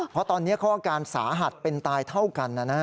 เพราะตอนนี้เขาอาการสาหัสเป็นตายเท่ากัน